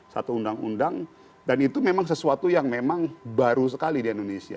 satu undang undang dan itu memang sesuatu yang memang baru sekali di indonesia